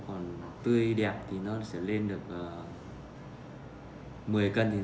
chủ yếu cung cấp cho chợ đầu mối long biên